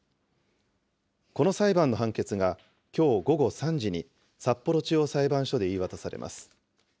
この裁判の判決が、きょう午後３時に札幌地方裁判所で言い渡されます。